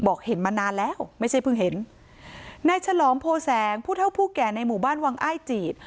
เห็นมานานแล้วไม่ใช่เพิ่งเห็นนายฉลองโพแสงผู้เท่าผู้แก่ในหมู่บ้านวังอ้ายจีด